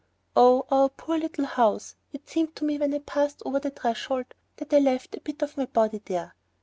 Ah, our poor little house! It seemed to me when I passed over the threshold that I left a bit of my body there.